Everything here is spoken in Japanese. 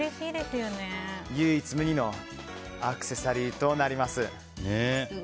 唯一無二のアクセサリーとなります。